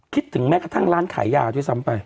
คิดถึงแม้กระทั่งร้านขายยาด้วยซ้ำไป